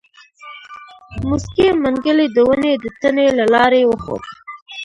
موسکی منګلی د ونې د تنې له لارې وخوت.